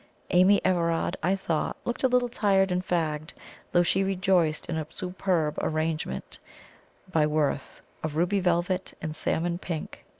Amy Everard, I thought, looked a little tired and fagged, though she rejoiced in a superb "arrangement" by Worth of ruby velvet and salmon pink.